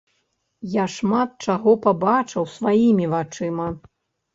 Я шмат чаго пабачыў сваімі вачыма.